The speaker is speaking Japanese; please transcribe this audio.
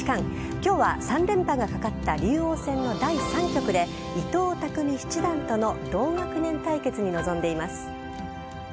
今日は３連覇がかかった竜王戦の第３局で伊藤匠七段との同学年対決に臨んでいます。